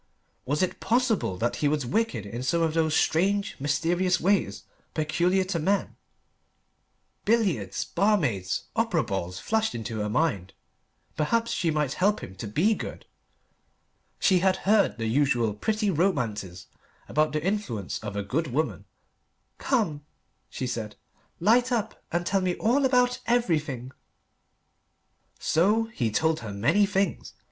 Was it possible that he was wicked in some of those strange, mysterious ways peculiar to men: billiards barmaids opera balls flashed into her mind. Perhaps she might help him to be good. She had heard the usual pretty romances about the influence of a good woman. "Come," she said, "light up and tell me all about everything." So he told her many things.